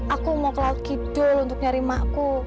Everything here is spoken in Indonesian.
aku mau ke laut gikdul untuk nyari emakku